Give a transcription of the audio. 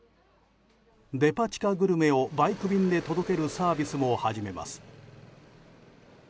デパ地下グルメをバイク便で届けるサービスも始めます。